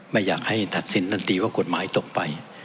ไม่อยากให้ตัดสินท่านตีว่ากฎหมายตกไป